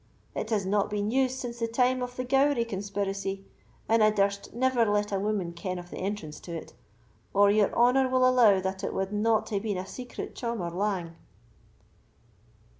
It has not been used since the time of the Gowrie Conspiracy, and I durst never let a woman ken of the entrance to it, or your honour will allow that it wad not hae been a secret chaumer lang."